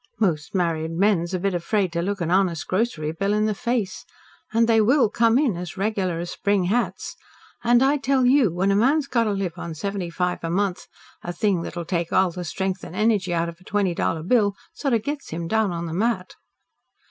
"Most married men's a bit afraid to look an honest grocery bill in the face. And they WILL come in as regular as spring hats. And I tell YOU, when a man's got to live on seventy five a month, a thing that'll take all the strength and energy out of a twenty dollar bill sorter gets him down on the mat."